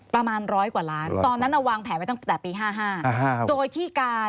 ประมาณร้อยกว่าล้านตอนนั้นวางแผนไว้ตั้งแต่ปี๕๕โดยที่การ